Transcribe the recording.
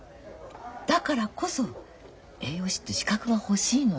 だからこそ栄養士っていう資格が欲しいのよ。